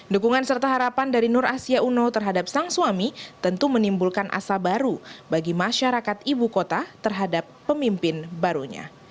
dukungan serta harapan dari nur asia uno terhadap sang suami tentu menimbulkan asa baru bagi masyarakat ibu kota terhadap pemimpin barunya